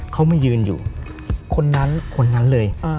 เขามายืนอยู่คนนั้นคนนั้นเลย